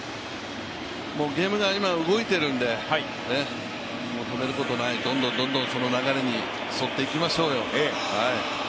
ゲームが今動いてるんで、止めることない、どんどんその流れに沿っていきましょうよ。